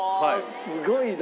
すごいな。